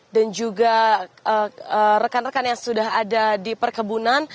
dan juga rekan rekan yang sudah ada di perkebunan